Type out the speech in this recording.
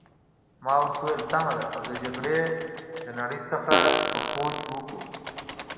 ما ورته وویل: سمه ده، او د جګړې له نړۍ څخه به کوچ وکړو.